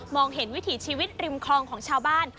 เห็นวิถีชีวิตริมคลองของชาวบ้าน